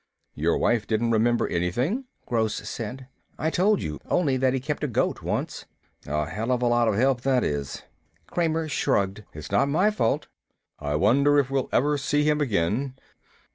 "Your wife didn't remember anything?" Gross said. "I told you. Only that he kept a goat, once." "A hell of a lot of help that is." Kramer shrugged. "It's not my fault." "I wonder if we'll ever see him again."